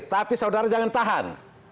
tapi saudara jangan tahan